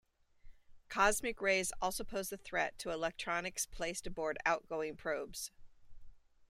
Cosmic rays also pose a threat to electronics placed aboard outgoing probes.